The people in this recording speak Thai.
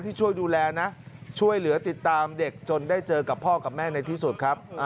ช่วยดูแลนะช่วยเหลือติดตามเด็กจนได้เจอกับพ่อกับแม่ในที่สุดครับ